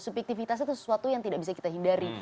subjektivitas itu sesuatu yang tidak bisa kita hindari